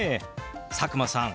佐久間さん